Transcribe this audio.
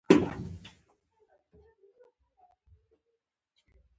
د سیند له ژۍ سره ژور حوضونه ول، چې ډېر ژور وو.